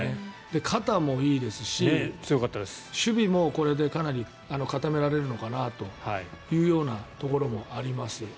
肩もいいですし守備もこれでかなり固められるのかなというようなところもあります。